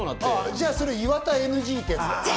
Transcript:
じゃあそれ、岩田ＮＧだ。